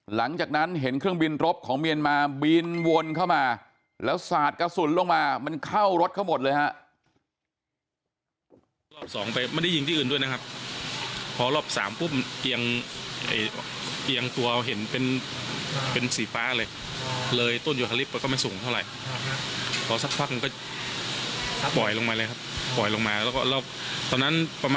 หลังจากนั้นเห็นเครื่องบินรบของเมียนมาบินวนเข้ามาแล้วสาดกระสุนลงมามันเข้ารถเขาหมดเลยฮะ